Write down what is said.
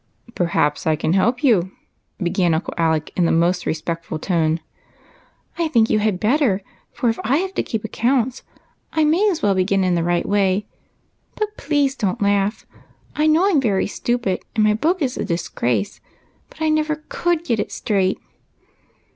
" Perhaps I can help you," began Uncle Alec, in the most respectful tone. " I think you had better, for if I have got to keep accounts I may as well begin in the right way. But please don't laugh ! I know I 'm very stupid, and my book is a disgrace, but I never could get, it straight."